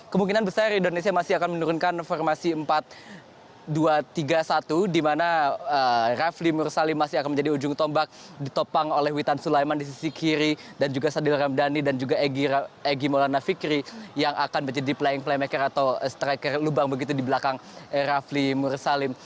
kemungkinan besar indonesia masih akan menurunkan formasi empat dua tiga satu di mana rafli mursali masih akan menjadi ujung tombak ditopang oleh witan sulaiman di sisi kiri dan juga sadil ramdhani dan juga egy maulana fikri yang akan menjadi playing playmaker atau striker lubang begitu di belakang rafli mursalim